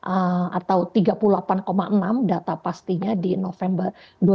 atau tiga puluh delapan enam data pastinya di november dua ribu dua puluh